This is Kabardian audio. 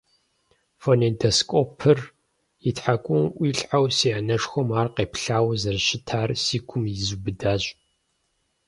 Фонедоскопыр и тхьэкӀумэм Ӏуилъхьэу си анэшхуэм ар къеплъауэ зэрыщытар си гум изубыдащ.